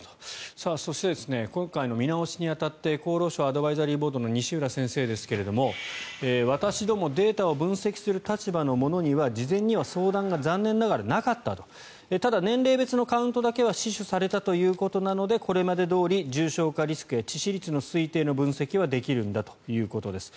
そして今回の見直しに当たって厚労省アドバイザリーボードの西浦先生ですけれども私どもデータを分析する立場の者には事前には相談が残念ながらなかったただ、年齢別のカウントだけは死守されたということなのでこれまでどおり、重症化リスクや致死率の推定の分析はできるんだということです。